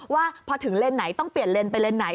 ว่าพอถึงเลนส์ไหนต้องเปลี่ยนเลนไปเลนไหน